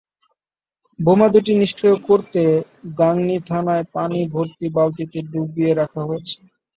বোমা দুটি নিষ্ক্রিয় করতে গাংনী থানায় পানিভর্তি বালতিতে ডুবিয়ে রাখা হয়েছে।